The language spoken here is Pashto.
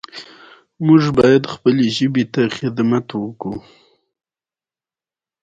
شپون په پښتو ادبیاتو کې ځانګړی ځای لري.